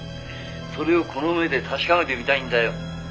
「それをこの目で確かめてみたいんだよ」